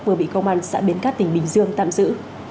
vừa bị công an xã biến cát tỉnh bình dương tạm giữ